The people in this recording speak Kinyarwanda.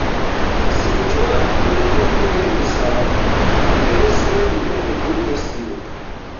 Sinshobora kumenya uko twohereza aderesi imeri kuri dosiye.